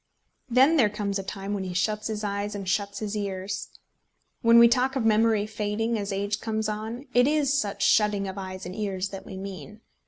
Then there comes a time when he shuts his eyes and shuts his ears. When we talk of memory fading as age comes on, it is such shutting of eyes and ears that we mean.